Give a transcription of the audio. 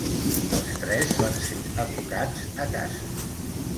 Els tres van ser educats a casa.